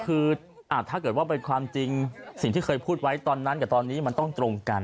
คือถ้าเกิดว่าเป็นความจริงสิ่งที่เคยพูดไว้ตอนนั้นกับตอนนี้มันต้องตรงกัน